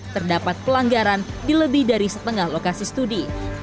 terdapat pelanggaran di lebih dari setengah lokasi studi